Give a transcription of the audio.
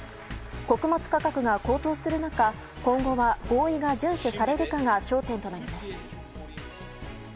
穀物価格が高騰する中今後は合意が順守されるかが焦点となります。